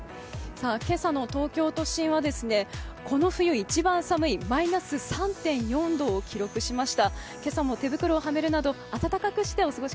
今朝の東京都心はこの冬一番寒い、マイナス３．４度を記録しました。